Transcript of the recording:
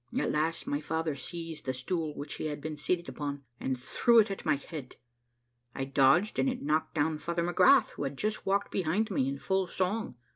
At last, my father seized the stool, which he had been seated upon, and threw it at my head. I dodged, and it knocked down Father McGrath, who had just walked behind me in full song.